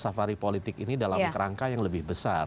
safari politik ini dalam kerangka yang lebih besar